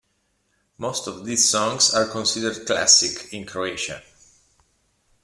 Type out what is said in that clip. Most of these songs are considered classic in Croatia.